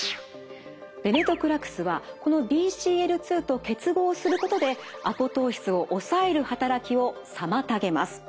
ベネトクラクスはこのＢＣＬ２と結合することでアポトーシスを抑える働きを妨げます。